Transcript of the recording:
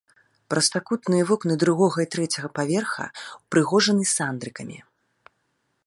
Прастакутныя вокны другога і трэцяга паверха ўпрыгожаны сандрыкамі.